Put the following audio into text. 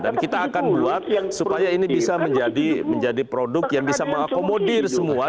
dan kita akan buat supaya ini bisa menjadi produk yang bisa mengakomodir semua